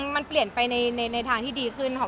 มันเปลี่ยนไปในทางที่ดีขึ้นค่ะ